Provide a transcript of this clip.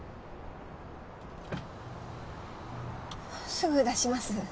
すぐ出します。